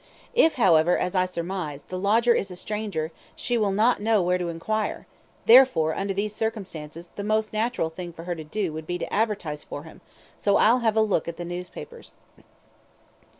If, however, as I surmise, the lodger is a stranger, she will not know where to enquire; therefore, under these circumstances, the most natural thing for her to do would be to advertise for him, so I'll have a look at the newspapers."